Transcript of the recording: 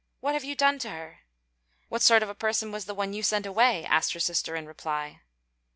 What have you done to her?" "What sort of a person was the one you sent away?" asked her sister in reply.